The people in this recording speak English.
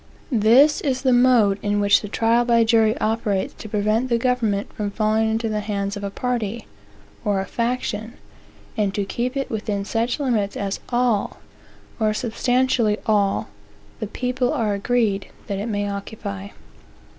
This is the mode in which the trial by jury operates to prevent the government from falling into the hands of a party, or a faction, and to keep it within such limits as all, or substantially all, the people are agreed that it may occupy.